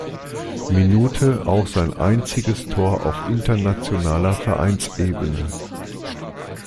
Minute auch sein einziges Tor auf internationaler Vereinsebene.